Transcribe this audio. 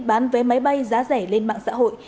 bán vé máy bay giá rẻ lên mạng xã hội